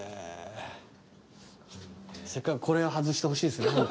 せっかくこれは外してほしいですね